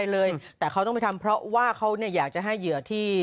เลยแต่เขาต้องไปทำเพราะว่าเขาเนี่ยอยากจะให้เหยื่อที่